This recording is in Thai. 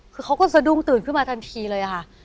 คือเขาก็สะดุ้งตื่นขึ้นมาทันทีเลยค่ะ